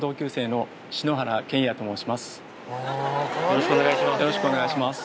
よろしくお願いします。